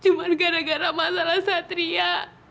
hanya karena masalah satria